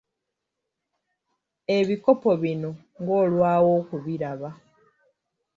Ebikopo bino ng'olwawo okubiraba.